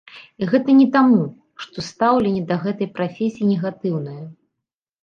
І гэта не таму, што стаўленне да гэтай прафесіі негатыўнае.